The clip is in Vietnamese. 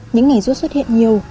những ngày ruốc xuất hiện nhiều